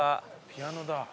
ピアノだ。